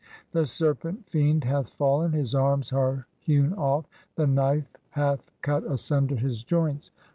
The Serpent fiend "hath fallen, his arms are hewn off, the knife hath cut asunder "his joints.